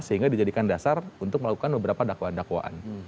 sehingga dijadikan dasar untuk melakukan beberapa dakwaan dakwaan